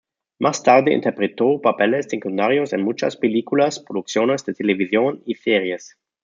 Más tarde interpretó papeles secundarios en muchas películas, producciones de televisión y series.